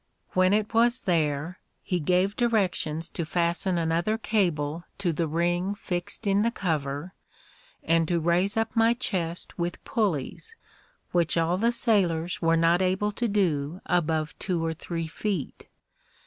When it was there he gave directions to fasten another cable to the ring fixed in the cover, and to raise up my chest with pulleys, which all the sailors were not able to do above two or three feet.